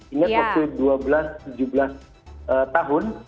ingat waktu dua belas tujuh belas tahun